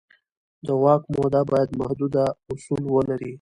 د واک موده باید محدود اصول ولري